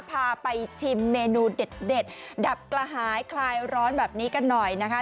พาไปชิมเมนูเด็ดดับกระหายคลายร้อนแบบนี้กันหน่อยนะคะ